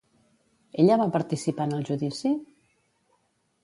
Ella va participar en el judici?